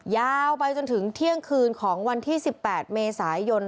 ยาวไปจนถึงเที่ยงคืนของวันที่๑๘เมษายน